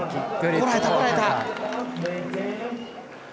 こらえたこらえた。